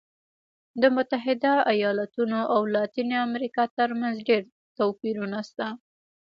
د متحده ایالتونو او لاتینې امریکا ترمنځ ډېر توپیرونه شته.